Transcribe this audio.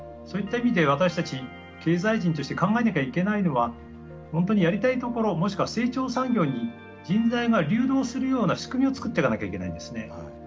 そういった意味で私たち経済人として考えなきゃいけないのは本当にやりたいところもしくは成長産業に人材が流動するような仕組みを作ってかなきゃいけないんですね。